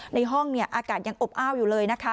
ในห้องอากาศยังอบอ้าวอยู่เลยนะคะ